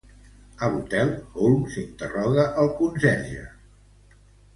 A l'hotel, Holmes interroga el conserge.